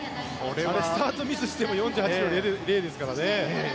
スタートミスしても４８秒０ですからね。